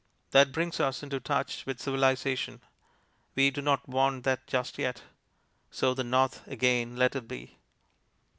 That brings us into touch with civilization; we do not want that just yet. So the north again let it be....